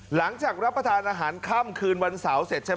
หลังจากรับประทานอาหารค่ำคืนวันเสาร์เสร็จใช่ไหม